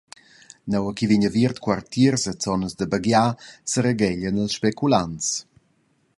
Nua ch’ei vegn aviert quatiers e zonas da baghegiar, seregheglian ils speculants.